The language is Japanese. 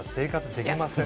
できません。